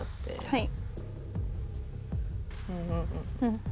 はい。